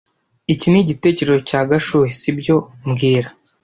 Iki ni igitekerezo cya Gashuhe, sibyo mbwira